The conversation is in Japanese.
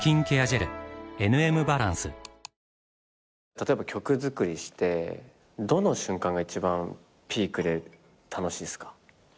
例えば曲作りしてどの瞬間が一番ピークで楽しいですか？